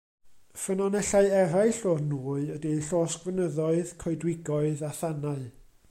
Ffynonellau eraill o'r nwy ydy llosgfynyddoedd, coedwigoedd a thanau.